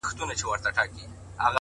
صبر د وخت له فشار سره ملګری دی،